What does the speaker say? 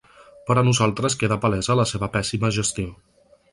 Per a nosaltres queda palesa la seva pèssima gestió!